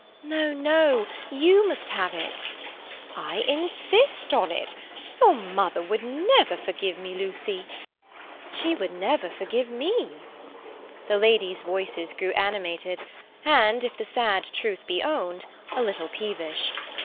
"No, no. You must have it." "I insist on it. Your mother would never forgive me, Lucy." "She would never forgive me." The ladies' voices grew animated, and—if the sad truth be owned—a little peevish.